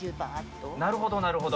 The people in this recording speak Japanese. なるほどなるほど。